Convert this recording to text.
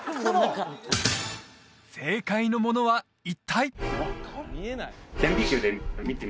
正解のものは一体？